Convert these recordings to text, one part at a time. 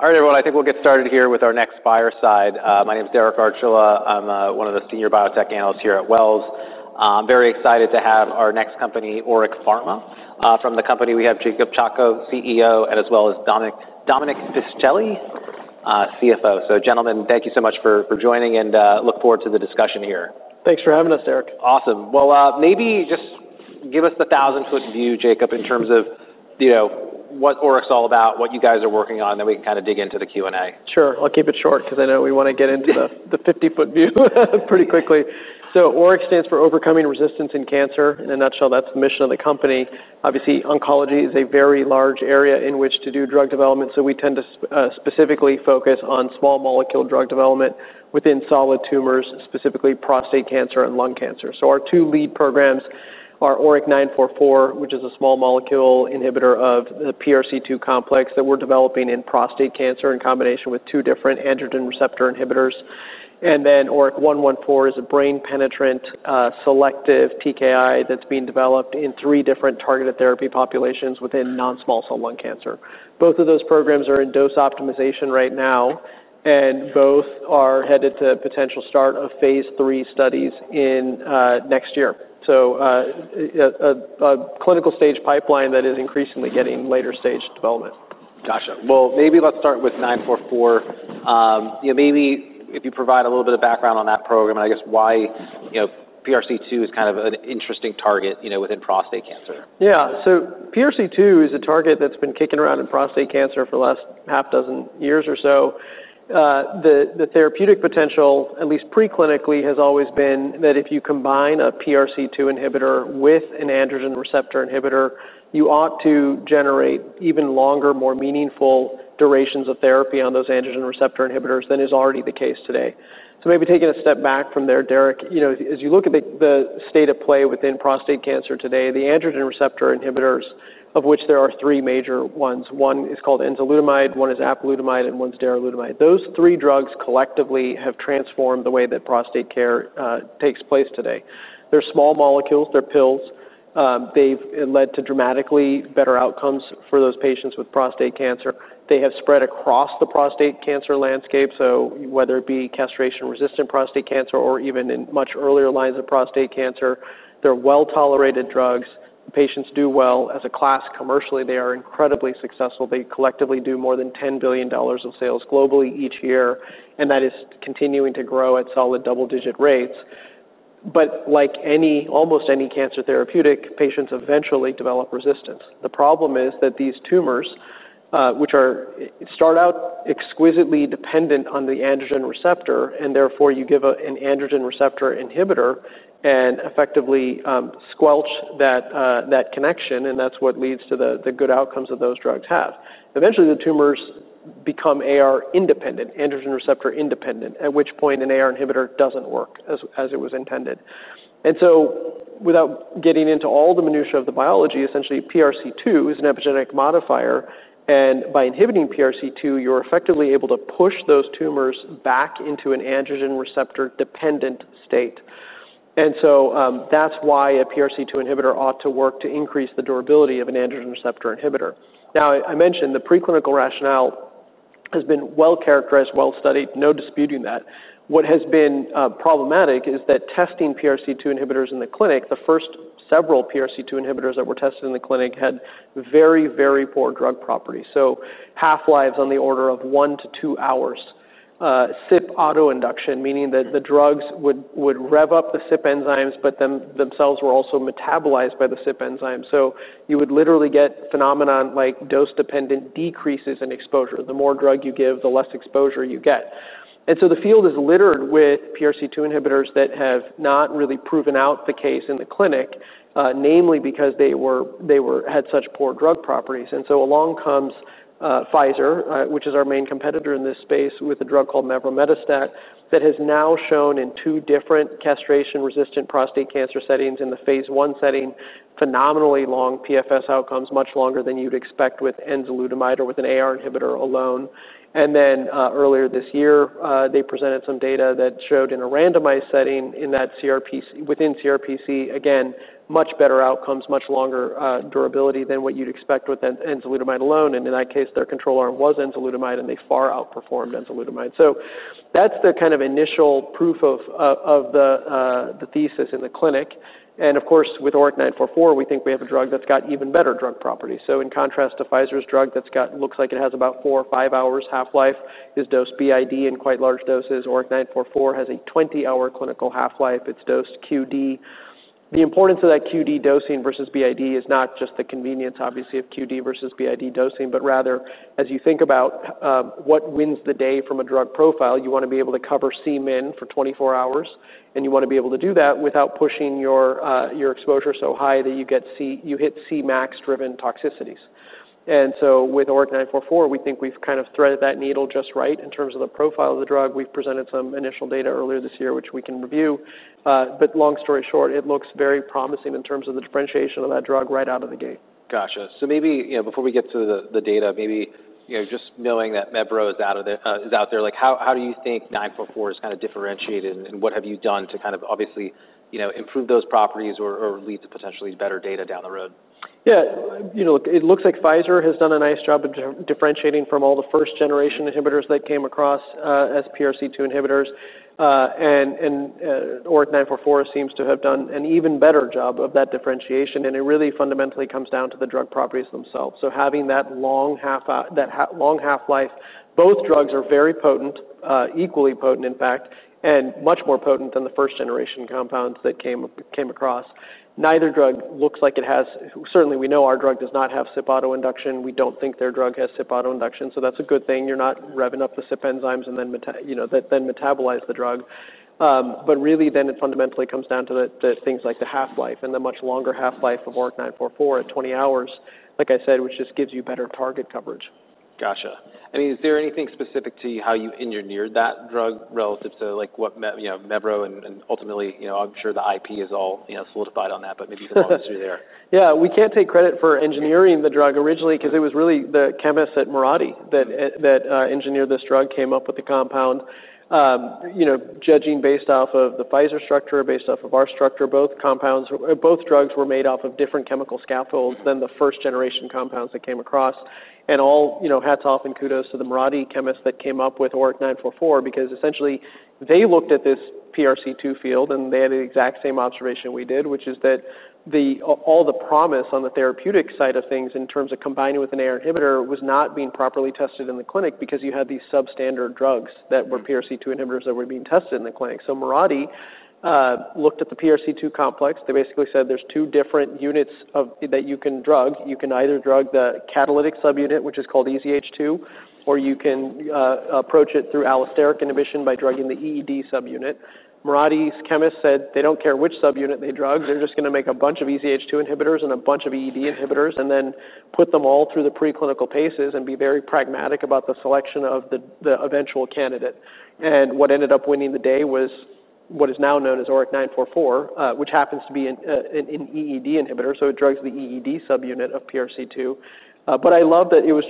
All right, everyone, I think we'll get started here with our next buyer side. My name is Derek Archila. I'm one of the Senior Biotech Analysts here at Wells. I'm very excited to have our next company, ORIC Pharmaceuticals. From the company we have Jacob Chacko, CEO, and as well as Dominic Piscitelli, CFO. Gentlemen, thank you so much for joining and look forward to the discussion here. Thanks for having us, Derek. Awesome. Maybe just give us the thousand-foot view, Jacob, in terms of what ORIC is all about, what you guys are working on, and then we can kind of dig into the Q&A. Sure. I'll keep it short because I know we want to get into the 50-foot view pretty quickly. ORIC stands for Overcoming Resistance in Cancer. In a nutshell, that's the mission of the company. Obviously, oncology is a very large area in which to do drug development. We tend to specifically focus on small molecule drug development within solid tumors, specifically prostate cancer and lung cancer. Our two lead programs are ORIC-944, which is a small molecule inhibitor of the PRC2 complex that we're developing in prostate cancer in combination with two different androgen receptor inhibitors, and ORIC-114, a brain-penetrant, selective TKI that's being developed in three different targeted therapy populations within non-small cell lung cancer. Both of those programs are in dose optimization right now, and both are headed to a potential start of phase III studies next year. A clinical stage pipeline that is increasingly getting later stage development. Gotcha. Maybe let's start with ORIC-944. Maybe if you provide a little bit of background on that program and I guess why PRC2 is kind of an interesting target within prostate cancer. Yeah. PRC2 is a target that's been kicking around in prostate cancer for the last half dozen years or so. The therapeutic potential, at least preclinically, has always been that if you combine a PRC2 inhibitor with an androgen receptor inhibitor, you ought to generate even longer, more meaningful durations of therapy on those androgen receptor inhibitors than is already the case today. Maybe taking a step back from there, Derek, as you look at the state of play within prostate cancer today, the androgen receptor inhibitors, of which there are three major ones, one is called enzalutamide, one is apalutamide, and one is darolutamide. Those three drugs collectively have transformed the way that prostate care takes place today. They're small molecules, they're pills. They've led to dramatically better outcomes for those patients with prostate cancer. They have spread across the prostate cancer landscape. Whether it be castration-resistant prostate cancer or even in much earlier lines of prostate cancer, they're well-tolerated drugs. Patients do well as a class commercially. They are incredibly successful. They collectively do more than $10 billion of sales globally each year, and that is continuing to grow at solid double-digit rates. Like almost any cancer therapeutic, patients eventually develop resistance. The problem is that these tumors, which start out exquisitely dependent on the androgen receptor, and therefore you give an androgen receptor inhibitor and effectively squelch that connection, and that's what leads to the good outcomes that those drugs have. Eventually, the tumors become AR-independent, androgen receptor-independent, at which point an AR inhibitor doesn't work as it was intended. Without getting into all the minutia of the biology, essentially PRC2 is an epigenetic modifier. By inhibiting PRC2, you're effectively able to push those tumors back into an androgen receptor-dependent state. That's why a PRC2 inhibitor ought to work to increase the durability of an androgen receptor inhibitor. I mentioned the preclinical rationale has been well-characterized, well-studied, no disputing that. What has been problematic is that testing PRC2 inhibitors in the clinic, the first several PRC2 inhibitors that were tested in the clinic had very, very poor drug properties. Half-lives on the order of one to two hours. CYP autoinduction, meaning that the drugs would rev up the CYP enzymes, but themselves were also metabolized by the CYP enzymes. You would literally get phenomena like dose-dependent decreases in exposure. The more drug you give, the less exposure you get. The field is littered with PRC2 inhibitors that have not really proven out the case in the clinic, namely because they had such poor drug properties. Along comes Pfizer, which is our main competitor in this space, with a drug called Mevrometostat that has now shown in two different castration-resistant prostate cancer settings in the phase one setting, phenomenally long PFS outcomes, much longer than you'd expect with enzalutamide or with an AR inhibitor alone. Earlier this year, they presented some data that showed in a randomized setting within CRPC, again, much better outcomes, much longer durability than what you'd expect with enzalutamide alone. In that case, their control arm was enzalutamide, and they far outperformed enzalutamide. That's the kind of initial proof of the thesis in the clinic. Of course, with ORIC-944, we think we have a drug that's got even better drug properties. In contrast to Pfizer's drug that looks like it has about four or five hours half-life, is dosed BID in quite large doses, ORIC-944 has a 20-hour clinical half-life. It's dosed QD. The importance of that QD dosing versus BID is not just the convenience, obviously, of QD versus BID dosing, but rather, as you think about what wins the day from a drug profile, you want to be able to cover Cmin for 24 hours, and you want to be able to do that without pushing your exposure so high that you hit Cmax-driven toxicities. With ORIC-944, we think we've kind of threaded that needle just right in terms of the profile of the drug. We've presented some initial data earlier this year, which we can review. Long story short, it looks very promising in terms of the differentiation of that drug right out of the gate. Gotcha. Maybe before we get to the data, just knowing that Mevrometostat is out there, how do you think ORIC-944 is kind of differentiated, and what have you done to obviously improve those properties or lead to potentially better data down the road? Yeah. It looks like Pfizer has done a nice job of differentiating from all the first-generation inhibitors that came across as PRC2 inhibitors. ORIC-944 seems to have done an even better job of that differentiation. It really fundamentally comes down to the drug properties themselves. Having that long half-life, both drugs are very potent, equally potent, in fact, and much more potent than the first-generation compounds that came across. Neither drug looks like it has, certainly we know our drug does not have CYP autoinduction. We don't think their drug has CYP autoinduction. That's a good thing. You're not revving up the CYP enzymes and then metabolize the drug. It fundamentally comes down to things like the half-life and the much longer half-life of ORIC-944 at 20 hours, like I said, which just gives you better target coverage. Gotcha. I mean, is there anything specific to how you engineered that drug relative to Mevrometostat? Ultimately, I'm sure the IP is all solidified on that, but maybe you can walk us through there. Yeah. We can't take credit for engineering the drug originally because it was really the chemists at Marathi that engineered this drug, came up with the compound. Judging based off of the Pfizer structure, based off of our structure, both drugs were made off of different chemical scaffolds than the first-generation compounds that came across. All hats off and kudos to the Marathi chemists that came up with ORIC-944 because essentially they looked at this PRC2 field, and they had the exact same observation we did, which is that all the promise on the therapeutic side of things in terms of combining with an AR inhibitor was not being properly tested in the clinic because you had these substandard drugs that were PRC2 inhibitors that were being tested in the clinic. Marathi looked at the PRC2 complex. They basically said there's two different units that you can drug. You can either drug the catalytic subunit, which is called EZH2, or you can approach it through allosteric inhibition by drugging the EED subunit. Marathi's chemists said they don't care which subunit they drug. They're just going to make a bunch of EZH2 inhibitors and a bunch of EED inhibitors and then put them all through the preclinical paces and be very pragmatic about the selection of the eventual candidate. What ended up winning the day was what is now known as ORIC-944, which happens to be an EED inhibitor. It drugs the EED subunit of PRC2. I love that it was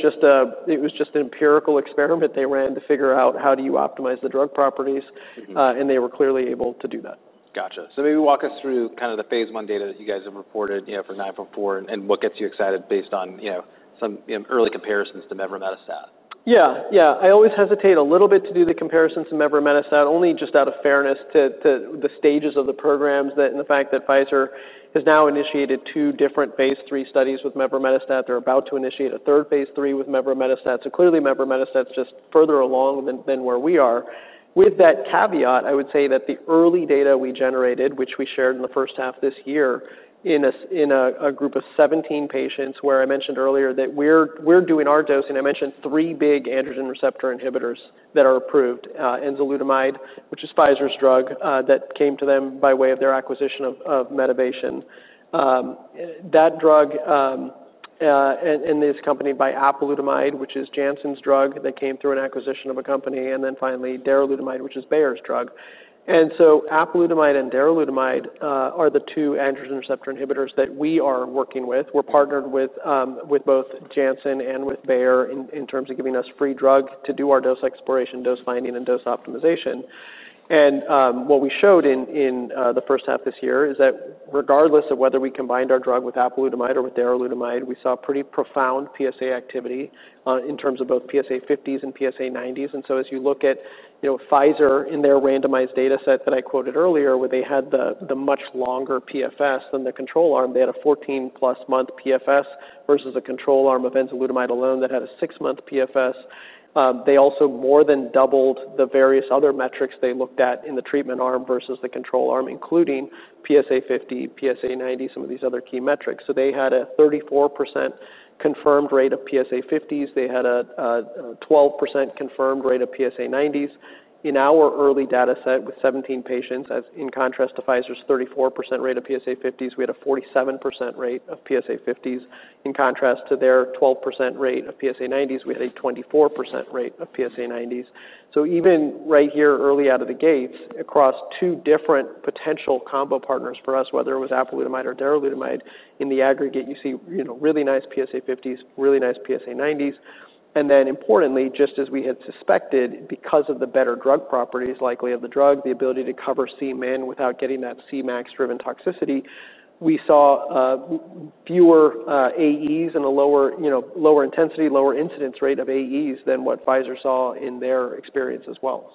just an empirical experiment they ran to figure out how do you optimize the drug properties, and they were clearly able to do that. Gotcha. Maybe walk us through kind of the phase one data that you guys have reported for ORIC-944, and what gets you excited based on some early comparisons to Mevrometostat. Yeah. I always hesitate a little bit to do the comparisons to Mevrometostat, only just out of fairness to the stages of the programs and the fact that Pfizer has now initiated two different phase III studies with Mevrometostat. They're about to initiate a third phase III with Mevrometostat. Clearly, Mevrometostat is just further along than where we are. With that caveat, I would say that the early data we generated, which we shared in the first half this year in a group of 17 patients where I mentioned earlier that we're doing our dosing, I mentioned three big androgen receptor inhibitors that are approved, enzalutamide, which is Pfizer's drug that came to them by way of their acquisition of Medivation. That drug is accompanied by apalutamide, which is Janssen's drug that came through an acquisition of a company, and then finally darolutamide, which is Bayer's drug. Apalutamide and darolutamide are the two androgen receptor inhibitors that we are working with. We're partnered with both Janssen and with Bayer in terms of giving us free drugs to do our dose exploration, dose finding, and dose optimization. What we showed in the first half this year is that regardless of whether we combined our drug with apalutamide or with darolutamide, we saw pretty profound PSA activity in terms of both PSA 50s and PSA 90s. As you look at Pfizer in their randomized data set that I quoted earlier, where they had the much longer PFS than the control arm, they had a 14+ month PFS versus the control arm of enzalutamide alone that had a six-month PFS. They also more than doubled the various other metrics they looked at in the treatment arm versus the control arm, including PSA 50, PSA 90, some of these other key metrics. They had a 34% confirmed rate of PSA 50s. They had a 12% confirmed rate of PSA 90s. In our early data set with 17 patients, in contrast to Pfizer's 34% rate of PSA 50s, we had a 47% rate of PSA 50s. In contrast to their 12% rate of PSA 90s, we had a 24% rate of PSA 90s. Even right here early out of the gates, across two different potential combo partners for us, whether it was apalutamide or darolutamide, in the aggregate, you see really nice PSA 50s, really nice PSA 90s. Importantly, just as we had suspected, because of the better drug properties, likely of the drug, the ability to cover Cmin without getting that Cmax driven toxicity, we saw fewer AEs and a lower intensity, lower incidence rate of AEs than what Pfizer saw in their experience as well.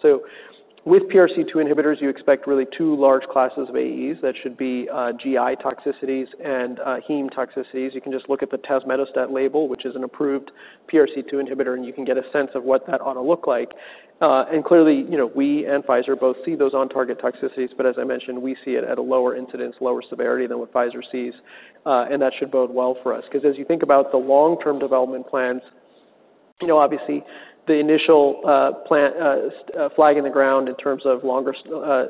With PRC2 inhibitors, you expect really two large classes of AEs. That should be GI toxicities and heme toxicities. You can just look at the Tazemetostat label, which is an approved PRC2 inhibitor, and you can get a sense of what that ought to look like. Clearly, we and Pfizer both see those on-target toxicities, but as I mentioned, we see it at a lower incidence, lower severity than what Pfizer sees. That should bode well for us because as you think about the long-term development plans, obviously, the initial flag in the ground in terms of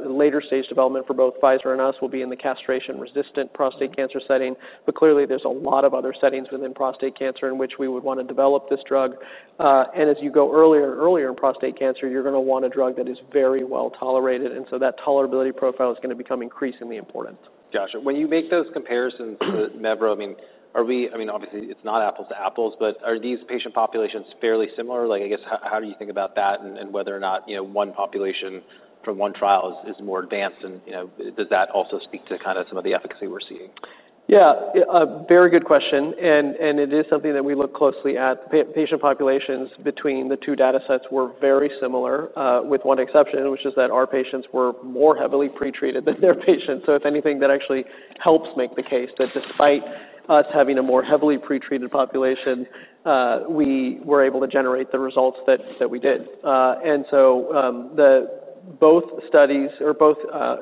later stage development for both Pfizer and us will be in the castration-resistant prostate cancer setting. Clearly, there's a lot of other settings within prostate cancer in which we would want to develop this drug. As you go earlier and earlier in prostate cancer, you're going to want a drug that is very well tolerated. That tolerability profile is going to become increasingly important. Gotcha. When you make those comparisons, Mevrometostat, I mean, obviously, it's not apples to apples, but are these patient populations fairly similar? I guess, how do you think about that and whether or not one population from one trial is more advanced? Does that also speak to kind of some of the efficacy we're seeing? Very good question. It is something that we look closely at. The patient populations between the two data sets were very similar, with one exception, which is that our patients were more heavily pretreated than their patients. If anything, that actually helps make the case that despite us having a more heavily pretreated population, we were able to generate the results that we did. Both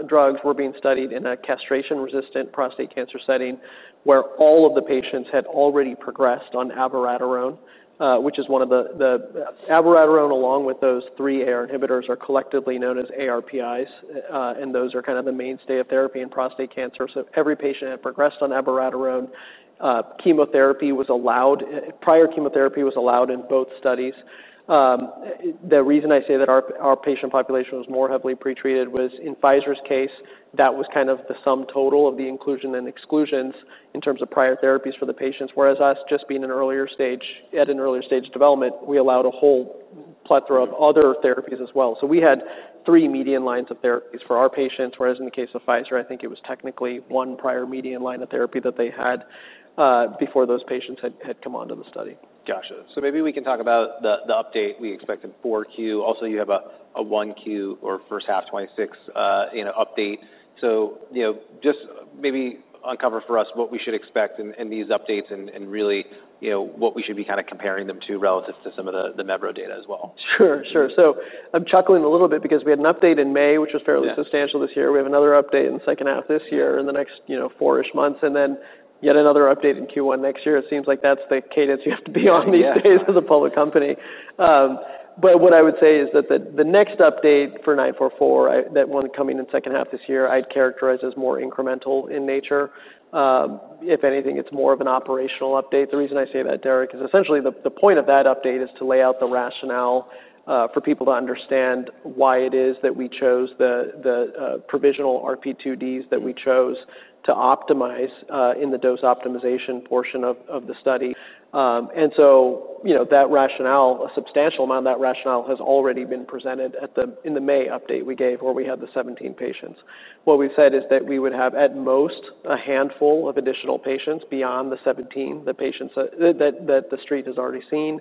drugs were being studied in a castration-resistant prostate cancer setting where all of the patients had already progressed on abiraterone, which is one of the abiraterone, along with those three AR inhibitors, are collectively known as ARPIs. Those are kind of the mainstay of therapy in prostate cancer. Every patient had progressed on abiraterone. Prior chemotherapy was allowed in both studies. The reason I say that our patient population was more heavily pretreated was in Pfizer's case, that was kind of the sum total of the inclusion and exclusions in terms of prior therapies for the patients. Whereas us, just being at an earlier stage development, we allowed a whole plethora of other therapies as well. We had three median lines of therapies for our patients, whereas in the case of Pfizer, I think it was technically one prior median line of therapy that they had before those patients had come onto the study. Gotcha. Maybe we can talk about the update we expect in 4Q. Also, you have a 1Q or first half 2026 update. Just maybe uncover for us what we should expect in these updates and really what we should be kind of comparing them to relative to some of the Mevrometostat data as well. Sure. I'm chuckling a little bit because we had an update in May, which was fairly substantial this year. We have another update in the second half this year in the next four-ish months, and then yet another update in Q1 next year. It seems like that's the cadence you have to be on these days as a public company. What I would say is that the next update for ORIC-944, that one coming in the second half this year, I'd characterize as more incremental in nature. If anything, it's more of an operational update. The reason I say that, Derek, is essentially the point of that update is to lay out the rationale for people to understand why it is that we chose the provisional RP2Ds that we chose to optimize in the dose optimization portion of the study. That rationale, a substantial amount of that rationale has already been presented in the May update we gave where we had the 17 patients. What we've said is that we would have at most a handful of additional patients beyond the 17, the patients that the street has already seen.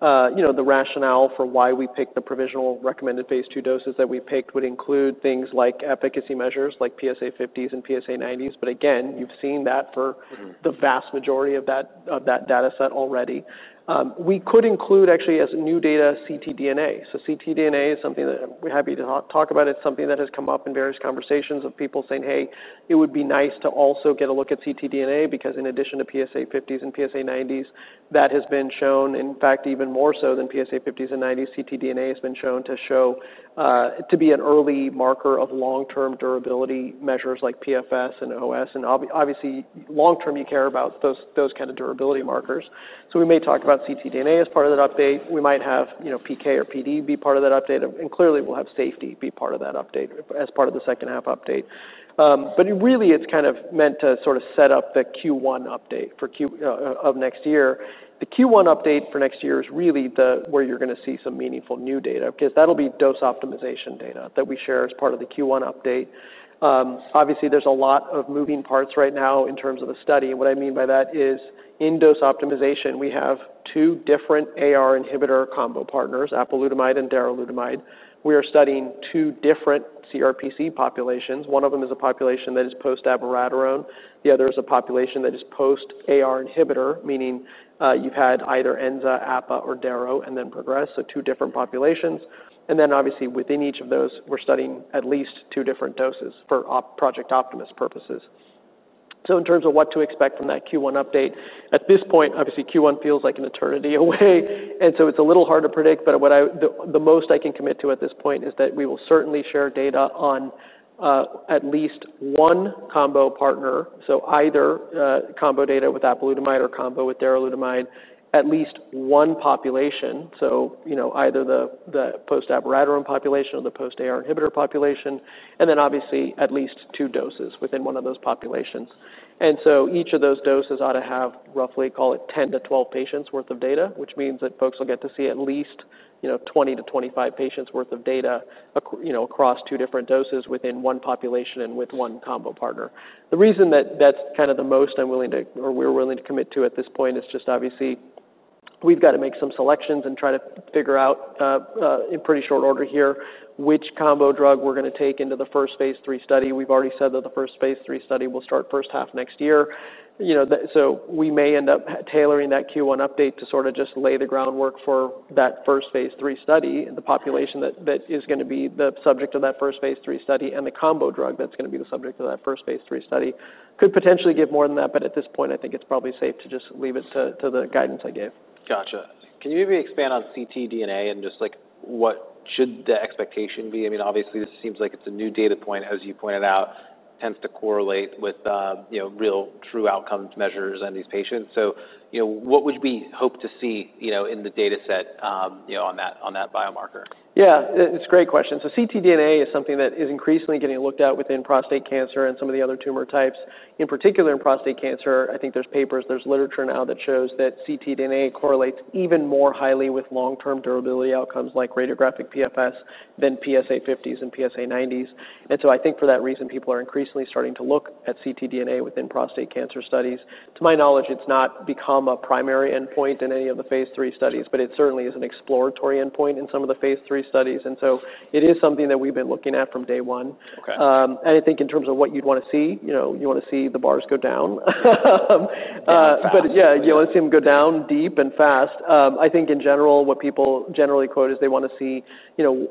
The rationale for why we picked the provisional recommended phase II doses that we picked would include things like efficacy measures like PSA 50s and PSA 90s. Again, you've seen that for the vast majority of that data set already. We could include actually as new data ctDNA. ctDNA is something that we're happy to talk about. It's something that has come up in various conversations of people saying, "Hey, it would be nice to also get a look at ctDNA because in addition to PSA 50s and PSA 90s, that has been shown, in fact, even more so than PSA 50s and PSA 90s, ctDNA has been shown to be an early marker of long-term durability measures like PFS and OS." Obviously, long-term, you care about those kind of durability markers. We may talk about ctDNA as part of that update. We might have PK or PD be part of that update, and clearly, we'll have safety be part of that update as part of the second half update. It's kind of meant to sort of set up the Q1 update of next year. The Q1 update for next year is really where you're going to see some meaningful new data because that'll be dose optimization data that we share as part of the Q1 update. Obviously, there's a lot of moving parts right now in terms of a study. What I mean by that is in dose optimization, we have two different AR inhibitor combo partners, apalutamide and darolutamide. We are studying two different CRPC populations. One of them is a population that is post-abiraterone. The other is a population that is post-AR inhibitor, meaning you've had either enza, appa, or daro and then progressed. Two different populations. Within each of those, we're studying at least two different doses for Project Optimus purposes. In terms of what to expect from that Q1 update, at this point, Q1 feels like an eternity away. It's a little hard to predict. The most I can commit to at this point is that we will certainly share data on at least one combo partner, either combo data with apalutamide or combo with darolutamide, at least one population, either the post-abiraterone population or the post-AR inhibitor population, and at least two doses within one of those populations. Each of those doses ought to have roughly, call it 10- 12 patients' worth of data, which means that folks will get to see at least 20- 25 patients' worth of data across two different doses within one population and with one combo partner. The reason that that's kind of the most I'm willing to or we're willing to commit to at this point is just we've got to make some selections and try to figure out in pretty short order here which combo drug we're going to take into the first phase III study. We've already said that the first phase III study will start first half next year. We may end up tailoring that Q1 update to sort of just lay the groundwork for that first phase III study. The population that is going to be the subject of that first phase III study and the combo drug that's going to be the subject of that first phase III study could potentially give more than that. At this point, I think it's probably safe to just leave it to the guidance I gave. Gotcha. Can you maybe expand on ctDNA and just what should the expectation be? I mean, obviously, this seems like it's a new data point, as you pointed out, tends to correlate with real true outcomes measures in these patients. What would we hope to see in the data set on that biomarker? Yeah. It's a great question. ctDNA is something that is increasingly getting looked at within prostate cancer and some of the other tumor types. In particular, in prostate cancer, I think there's papers, there's literature now that shows that ctDNA correlates even more highly with long-term durability outcomes like radiographic PFS than PSA 50s and PSA 90s. I think for that reason, people are increasingly starting to look at ctDNA within prostate cancer studies. To my knowledge, it's not become a primary endpoint in any of the phase III studies, but it certainly is an exploratory endpoint in some of the phase III studies. It is something that we've been looking at from day one. I think in terms of what you'd want to see, you want to see the bars go down. You want to see them go down deep and fast. I think in general, what people generally quote is they want to see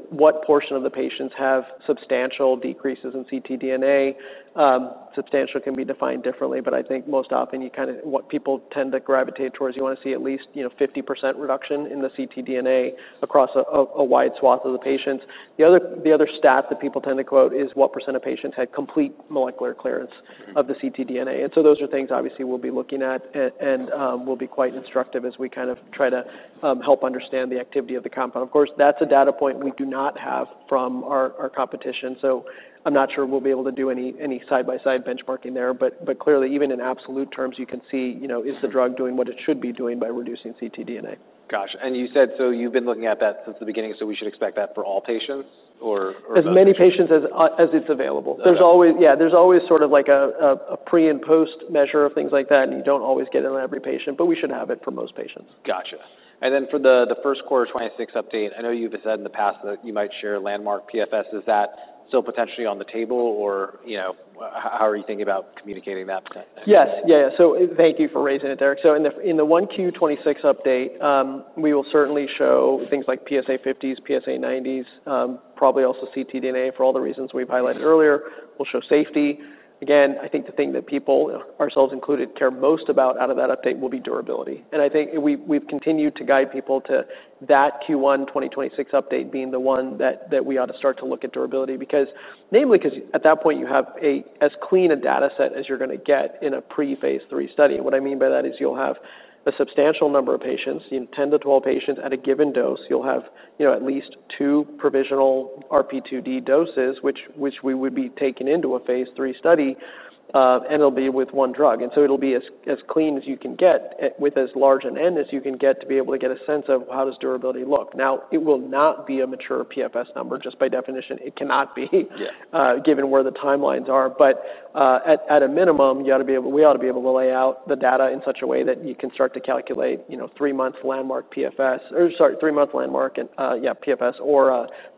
what portion of the patients have substantial decreases in ctDNA. Substantial can be defined differently, but I think most often what people tend to gravitate towards, you want to see at least 50% reduction in the ctDNA across a wide swath of the patients. The other stat that people tend to quote is what percent of patients had complete molecular clearance of the ctDNA. Those are things obviously we'll be looking at and will be quite instructive as we kind of try to help understand the activity of the compound. Of course, that's a data point we do not have from our competition. I'm not sure we'll be able to do any side-by-side benchmarking there. Clearly, even in absolute terms, you can see is the drug doing what it should be doing by reducing ctDNA. Gotcha. You said you've been looking at that since the beginning, so we should expect that for all patients? As many patients as it's available. There's always sort of like a pre and post measure of things like that, and you don't always get it on every patient, but we should have it for most patients. Gotcha. For the first quarter 2026 update, I know you've said in the past that you might share landmark PFS. Is that still potentially on the table, or how are you thinking about communicating that? Yes. Thank you for raising it, Derek. In the 1Q 2026 update, we will certainly show things like PSA 50s, PSA 90s, probably also ctDNA for all the reasons we've highlighted earlier. We'll show safety. I think the thing that people, ourselves included, care most about out of that update will be durability. I think we've continued to guide people to that Q1 2026 update being the one that we ought to start to look at durability, namely because at that point you have as clean a data set as you're going to get in a pre-phase III study. What I mean by that is you'll have a substantial number of patients, 10- 12 patients at a given dose. You'll have at least two provisional RP2D doses, which we would be taking into a phase III study, and it'll be with one drug. It'll be as clean as you can get with as large an N as you can get to be able to get a sense of how does durability look. It will not be a mature PFS number just by definition. It cannot be given where the timelines are. At a minimum, we ought to be able to lay out the data in such a way that you can start to calculate three months landmark PFS, or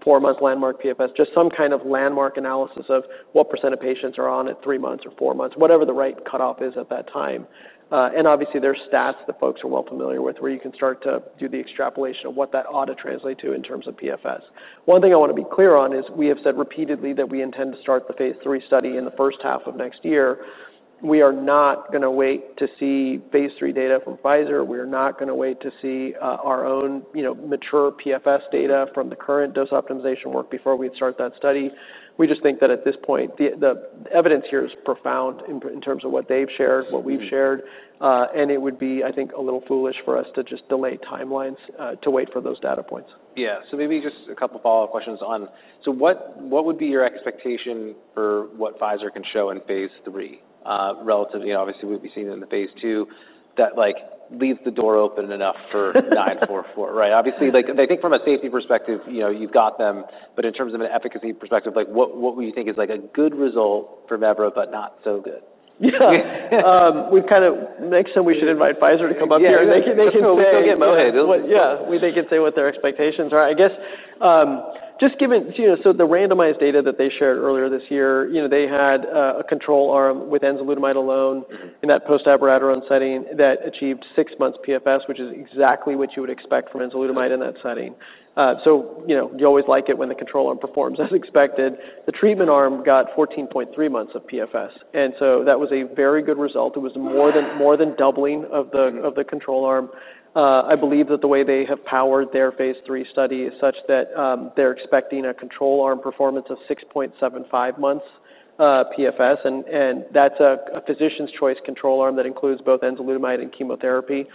four months landmark PFS, just some kind of landmark analysis of what percent of patients are on at three months or four months, whatever the right cutoff is at that time. Obviously, there are stats that folks are well familiar with where you can start to do the extrapolation of what that ought to translate to in terms of PFS. One thing I want to be clear on is we have said repeatedly that we intend to start the phase III study in the first half of next year. We are not going to wait to see phase III data from Pfizer. We are not going to wait to see our own mature PFS data from the current dose optimization work before we start that study. We just think that at this point, the evidence here is profound in terms of what they've shared, what we've shared. It would be, I think, a little foolish for us to just delay timelines to wait for those data points. Maybe just a couple of follow-up questions on what would be your expectation for what Pfizer can show in phase III relative to, obviously, we've seen in the phase II that leaves the door open enough for ORIC-944, right? I think from a safety perspective, you've got them. In terms of an efficacy perspective, what would you think is like a good result for Mevrometostat but not so good? Yeah, next time we should invite Pfizer to come up here. They can say. Yeah. They can say what their expectations are. I guess just given, the randomized data that they shared earlier this year, they had a control arm with enzalutamide alone in that post-abiraterone setting that achieved six months PFS, which is exactly what you would expect from enzalutamide in that setting. You always like it when the control arm performs as expected. The treatment arm got 14.3 months of PFS, and that was a very good result. It was more than doubling of the control arm. I believe that the way they have powered their phase III study is such that they're expecting a control arm performance of 6.75 months PFS. That's a physician's choice control arm that includes both enzalutamide and chemotherapy.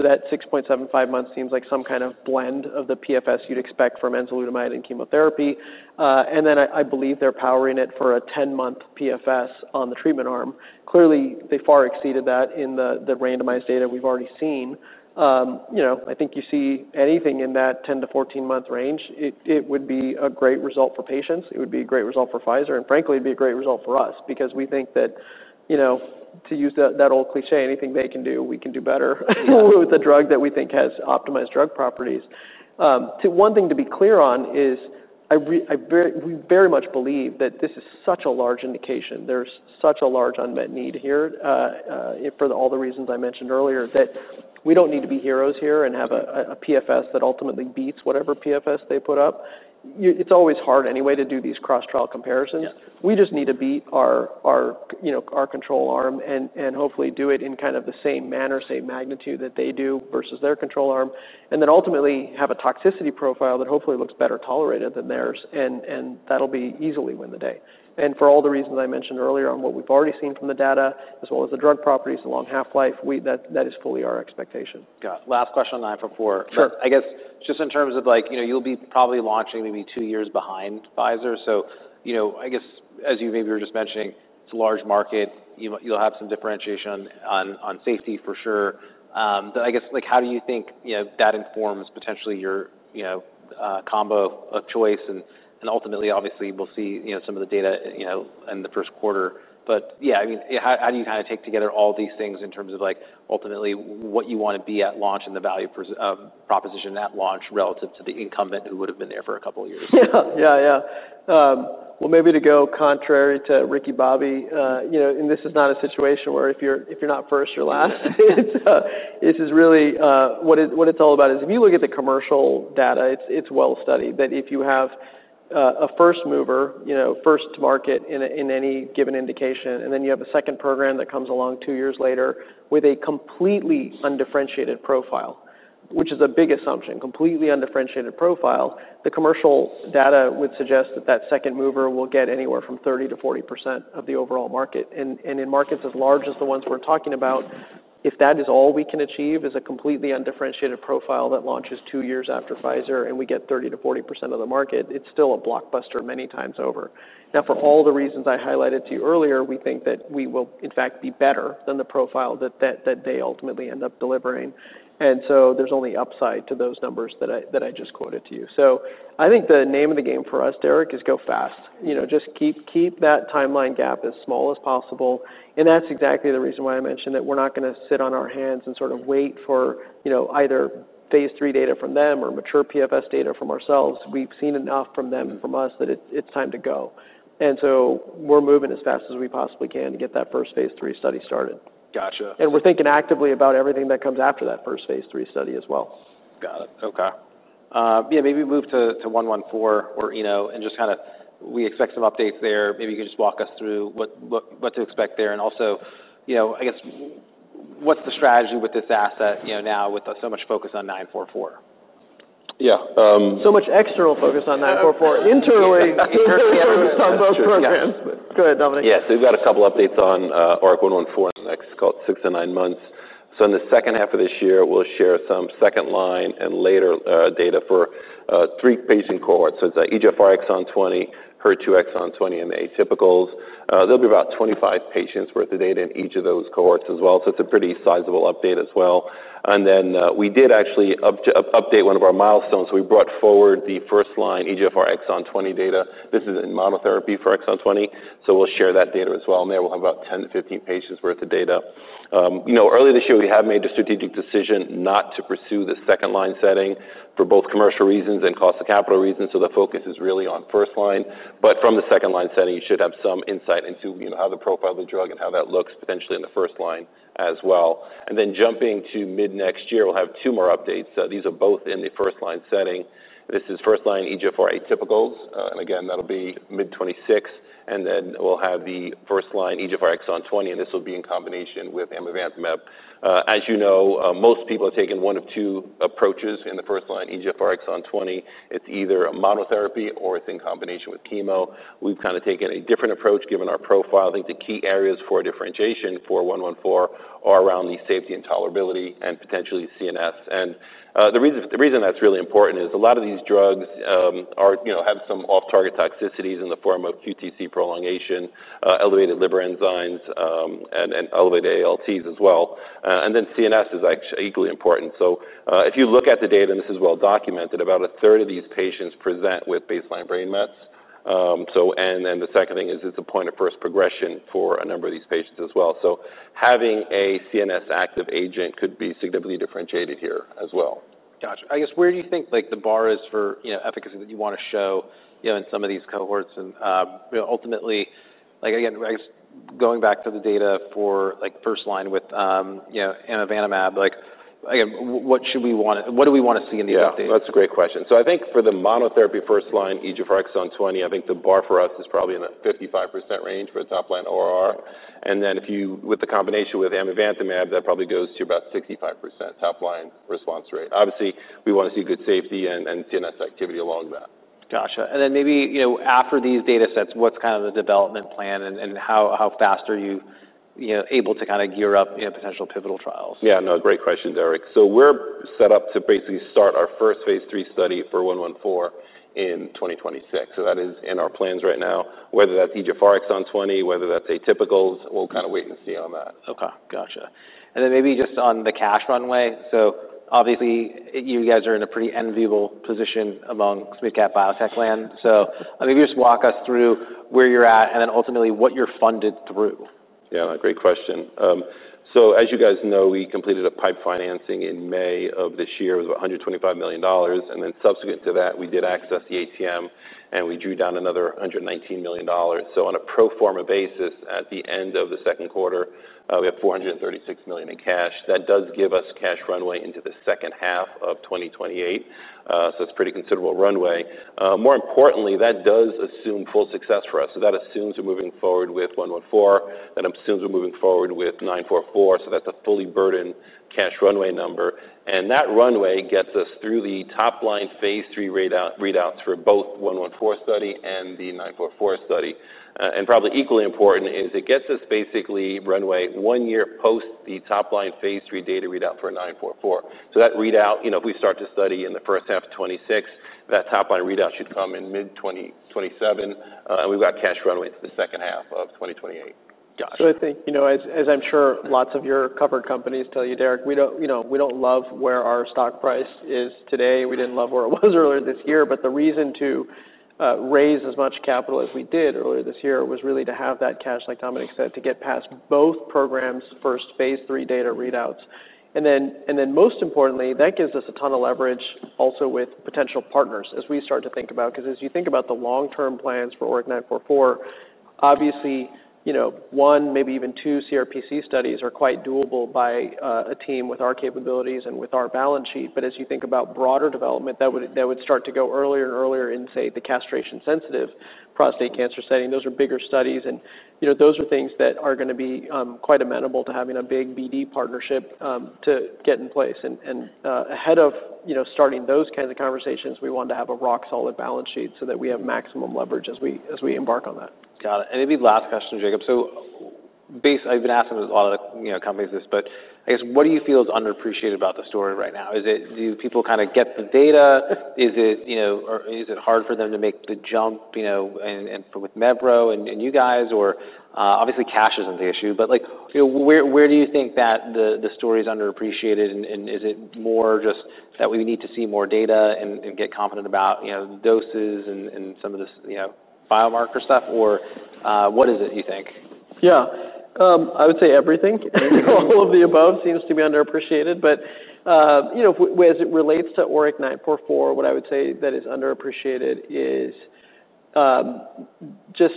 That 6.75 months seems like some kind of blend of the PFS you'd expect from enzalutamide and chemotherapy. I believe they're powering it for a 10-month PFS on the treatment arm. Clearly, they far exceeded that in the randomized data we've already seen. I think you see anything in that 10-month to 14-month range, it would be a great result for patients. It would be a great result for Pfizer. Frankly, it'd be a great result for us because we think that, you know, to use that old cliché, anything they can do, we can do better with a drug that we think has optimized drug properties. One thing to be clear on is we very much believe that this is such a large indication. There's such a large unmet need here for all the reasons I mentioned earlier that we don't need to be heroes here and have a PFS that ultimately beats whatever PFS they put up. It's always hard anyway to do these cross-trial comparisons. We just need to beat our control arm and hopefully do it in kind of the same manner, same magnitude that they do versus their control arm, and then ultimately have a toxicity profile that hopefully looks better tolerated than theirs. That'll be easily win the day. For all the reasons I mentioned earlier on what we've already seen from the data, as well as the drug properties, the long half-life, that is fully our expectation. Got it. Last question on the ORIC-944. I guess just in terms of, like, you'll be probably launching maybe two years behind Pfizer. I guess as you were just mentioning, it's a large market. You'll have some differentiation on safety for sure. I guess, how do you think that informs potentially your combo of choice? Ultimately, obviously, we'll see some of the data in the first quarter. How do you kind of take together all these things in terms of, like, ultimately what you want to be at launch and the value proposition at launch relative to the incumbent who would have been there for a couple of years? Yeah. Maybe to go contrary to Ricky Bobby, this is not a situation where if you're not first, you're last. It's just really what it's all about is if you look at the commercial data, it's well studied that if you have a first mover, first to market in any given indication, and then you have a second program that comes along two years later with a completely undifferentiated profile, which is a big assumption, completely undifferentiated profile, the commercial data would suggest that that second mover will get anywhere from 30%- 40% of the overall market. In markets as large as the ones we're talking about, if that is all we can achieve is a completely undifferentiated profile that launches two years after Pfizer and we get 30%- 40% of the market, it's still a blockbuster many times over. For all the reasons I highlighted to you earlier, we think that we will, in fact, be better than the profile that they ultimately end up delivering. There's only upside to those numbers that I just quoted to you. I think the name of the game for us, Derek, is go fast. Just keep that timeline gap as small as possible. That's exactly the reason why I mentioned that we're not going to sit on our hands and sort of wait for either phase III data from them or mature PFS data from ourselves. We've seen enough from them and from us that it's time to go. We're moving as fast as we possibly can to get that first phase III study started. Gotcha. We are thinking actively about everything that comes after that first phase III study as well. Got it. Okay. Maybe move to ORIC-114 and just kind of we expect some updates there. Maybe you can just walk us through what to expect there. Also, I guess what's the strategy with this asset now with so much focus on ORIC-944? Yeah, so much external focus on ORIC-944, internally focused on both programs. Go ahead, Dominic. Yeah. We've got a couple of updates on ORIC-114 and ORIC-533. It's called six to nine months. In the second half of this year, we'll share some second line and later data for three patient cohorts: EGFR exon 20, HER2 exon 20, and atypicals. There'll be about 25 patients' worth of data in each of those cohorts as well. It's a pretty sizable update as well. We did actually update one of our milestones. We brought forward the first line EGFR exon 20 data. This is in monotherapy for exon 20. We'll share that data as well. There, we'll have about 10- 15 patients' worth of data. Earlier this year, we made a strategic decision not to pursue the second line setting for both commercial reasons and cost of capital reasons. The focus is really on first line. From the second line setting, you should have some insight into how the profile of the drug and how that looks potentially in the first line as well. Jumping to mid next year, we'll have two more updates. These are both in the first line setting. This is first line EGFR atypical, and again, that'll be mid 2026. Then we'll have the first line EGFR exon 20. This will be in combination with Amivantamab. As you know, most people are taking one of two approaches in the first line EGFR exon 20. It's either a monotherapy or it's in combination with chemo. We've kind of taken a different approach given our profile. I think the key areas for differentiation for ORIC-114 are around the safety and tolerability and potentially CNS. The reason that's really important is a lot of these drugs have some off-target toxicities in the form of QTC prolongation, elevated liver enzymes, and elevated ALTs as well. CNS is actually equally important. If you look at the data, and this is well documented, about a third of these patients present with baseline brain mets. The second thing is it's a point of first progression for a number of these patients as well. Having a CNS active agent could be significantly differentiated here as well. Gotcha. I guess where do you think the bar is for efficacy that you want to show in some of these cohorts? Ultimately, again, I guess going back to the data for first line with Amivantamab, what do we want to see in these updates? That's a great question. I think for the monotherapy first line EGFR exon 20, the bar for us is probably in the 55% range for the top line ORR. With the combination with Amivantamab, that probably goes to about 65% top line response rate. Obviously, we want to see good safety and CNS activity along that. Gotcha. Maybe after these data sets, what's kind of the development plan, and how fast are you able to kind of gear up potential pivotal trials? Yeah. Great question, Derek. We're set up to basically start our first Phase III study for ORIC-114 in 2026. That is in our plans right now. Whether that's EGFR exon 20 or atypicals, we'll kind of wait and see on that. Okay. Gotcha. Maybe just on the cash runway, you guys are in a pretty enviable position among biotech land. Maybe just walk us through where you're at and ultimately what you're funded through. Yeah. Great question. As you guys know, we completed a PIPE financing in May of this year with about $125 million. Subsequent to that, we did access the ATM and we drew down another $119 million. On a pro forma basis, at the end of the second quarter, we have $436 million in cash. That does give us cash runway into the second half of 2028. It's a pretty considerable runway. More importantly, that does assume full success for us. That assumes we're moving forward with ORIC-114. That assumes we're moving forward with ORIC-944. That's a fully burdened cash runway number. That runway gets us through the top line phase III readout through both the ORIC-114 study and the ORIC-944 study. Probably equally important is it gets us basically runway one year post the top line phase III data readout for ORIC-944. That readout, if we start the study in the first half of 2026, that top line readout should come in mid 2027. We've got cash runway through the second half of 2028. Gotcha. I think, you know, as I'm sure lots of your covered companies tell you, Derek, we don't love where our stock price is today. We didn't love where it was earlier this year. The reason to raise as much capital as we did earlier this year was really to have that cash, like Dominic said, to get past both programs for phase III data readouts. Most importantly, that gives us a ton of leverage also with potential partners as we start to think about, because as you think about the long-term plans for ORIC-944, obviously, you know, one, maybe even two CRPC studies are quite doable by a team with our capabilities and with our balance sheet. As you think about broader development, that would start to go earlier and earlier in, say, the castration-sensitive prostate cancer setting. Those are bigger studies, and those are things that are going to be quite amenable to having a big BD partnership to get in place. Ahead of starting those kinds of conversations, we want to have a rock-solid balance sheet so that we have maximum leverage as we embark on that. Got it. Maybe last question, Jacob. Basically, I've been asking a lot of companies this, but I guess what do you feel is underappreciated about the story right now? Do people kind of get the data? Is it hard for them to make the jump with Mevrometostat and you guys? Obviously, cash isn't the issue. Where do you think that the story is underappreciated? Is it more just that we need to see more data and get confident about doses and some of this biomarker stuff? What is it, do you think? Yeah. I would say everything, all of the above seems to be underappreciated. As it relates to ORIC-944, what I would say that is underappreciated is just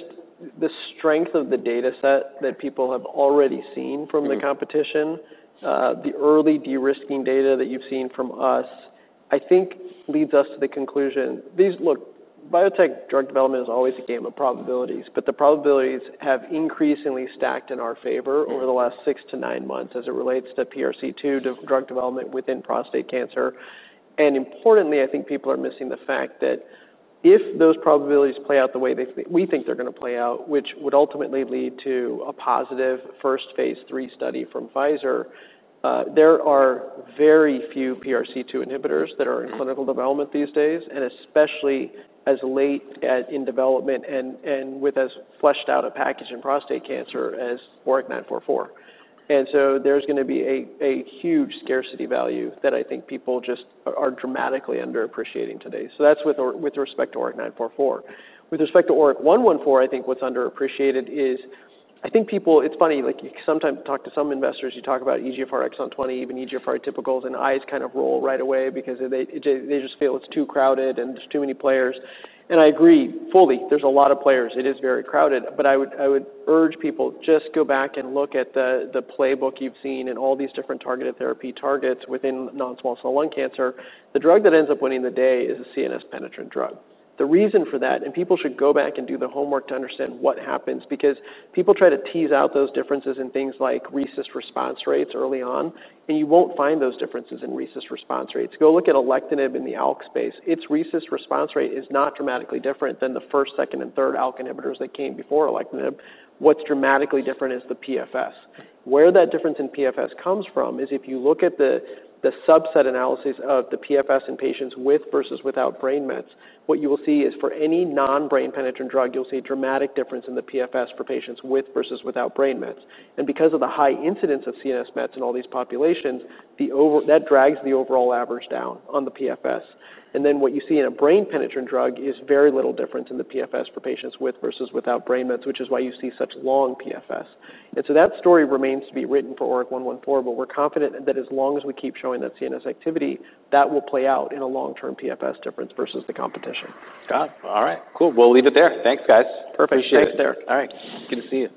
the strength of the data set that people have already seen from the competition. The early de-risking data that you've seen from us, I think, leads us to the conclusion. Look, biotech drug development is always a game of probabilities. The probabilities have increasingly stacked in our favor over the last six to nine months as it relates to PRC2 drug development within prostate cancer. Importantly, I think people are missing the fact that if those probabilities play out the way we think they're going to play out, which would ultimately lead to a positive first phase III study from Pfizer, there are very few PRC2 inhibitors that are in clinical development these days, especially as late in development and with as fleshed out a package in prostate cancer as ORIC-944. There is going to be a huge scarcity value that I think people just are dramatically underappreciating today. That's with respect to ORIC-944. With respect to ORIC-114, I think what's underappreciated is I think people, it's funny, like you sometimes talk to some investors, you talk about EGFR exon 20, even EGFR atypicals, and eyes kind of roll right away because they just feel it's too crowded and there's too many players. I agree fully, there's a lot of players. It is very crowded. I would urge people just go back and look at the playbook you've seen and all these different targeted therapy targets within non-small cell lung cancer. The drug that ends up winning the day is a CNS penetrant drug. The reason for that, and people should go back and do the homework to understand what happens because people try to tease out those differences in things like resist response rates early on, and you won't find those differences in resist response rates. Go look at alectinib in the ALK space. Its resist response rate is not dramatically different than the first, second, and third ALK inhibitors that came before alectinib. What's dramatically different is the PFS. Where that difference in PFS comes from is if you look at the subset analysis of the PFS in patients with versus without brain mets, what you will see is for any non-brain penetrant drug, you'll see a dramatic difference in the PFS for patients with versus without brain mets. Because of the high incidence of CNS mets in all these populations, that drags the overall average down on the PFS. What you see in a brain-penetrant drug is very little difference in the PFS for patients with versus without brain mets, which is why you see such long PFS. That story remains to be written for ORIC-114, but we're confident that as long as we keep showing that CNS activity, that will play out in a long-term PFS difference versus the competition. Got it. All right. Cool. Thanks, guys. Perfect. Thanks, Derek. All right, good to see you.